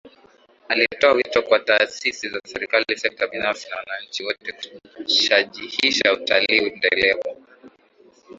Alitoa wito kwa taasisi za Serikali sekta binafsi na wananchi wote kushajihisha utalii endelevu